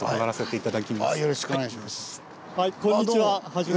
よろしくお願いします。